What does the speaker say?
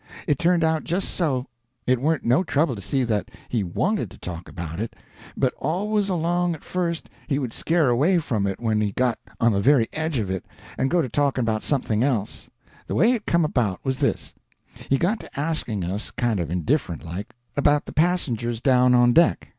It turned out just so. It warn't no trouble to see that he wanted to talk about it, but always along at first he would scare away from it when he got on the very edge of it, and go to talking about something else. The way it come about was this: He got to asking us, kind of indifferent like, about the passengers down on deck.